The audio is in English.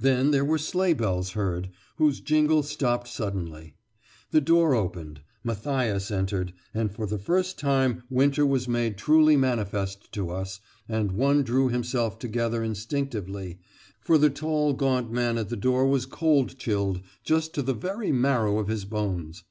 Then there were sleigh bells heard, whose jingle stopped suddenly. The door opened Mathias entered, and for the first time winter was made truly manifest to us, and one drew himself together instinctively, for the tall, gaunt man at the door was cold chilled, just to the very marrow of his bones.